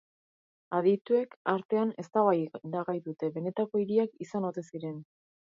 Adituek, artean, eztabaidagai dute benetako hiriak izan ote ziren.